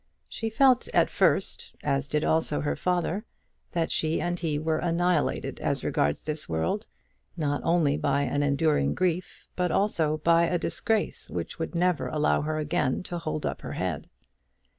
She felt at first, as did also her father, that she and he were annihilated as regards this world, not only by an enduring grief, but also by a disgrace which would never allow her again to hold up her head.